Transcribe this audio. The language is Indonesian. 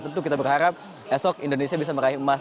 tentu kita berharap esok indonesia bisa meraih emas